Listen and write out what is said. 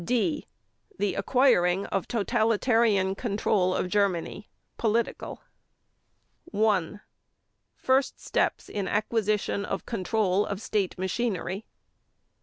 (D) THE ACQUIRING OF TOTALITARIAN CONTROL OF GERMANY: POLITICAL 1. _First steps in acquisition of control of State machinery.